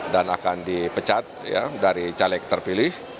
dan akan dipecat dari caleg terpilih